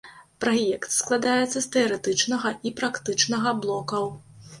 Праект складаецца з тэарэтычнага і практычнага блокаў.